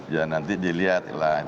ya nanti dilihat lah